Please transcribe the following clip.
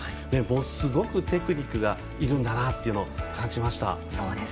すごくテクニックがいるんだなというのを感じました。